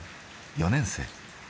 ４年生。